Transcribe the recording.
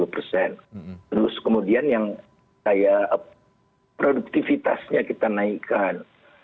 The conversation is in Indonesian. terus kemudian yang kayak produktivitasnya kita naikkan